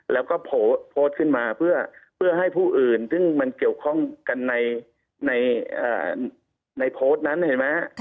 แล้วก็โพสต์ขึ้นมาเพื่อให้ผู้อื่นซึ่งมันเกี่ยวข้องกันในโพสต์นั้นเห็นไหมฮะ